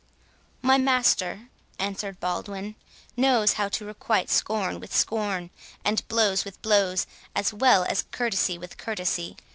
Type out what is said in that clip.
"My master," answered Baldwin, "knows how to requite scorn with scorn, and blows with blows, as well as courtesy with courtesy.